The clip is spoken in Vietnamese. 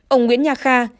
ông nguyễn nhà kha